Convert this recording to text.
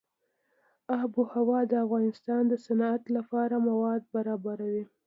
آب وهوا د افغانستان د صنعت لپاره مواد برابروي.